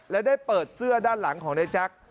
และได้เปิดเสื้อด้านหลังของนายแจ๊ค